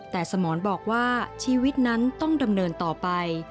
แต่สมรบอกว่าชีวิตนั้นต้องดำเนินต่อไป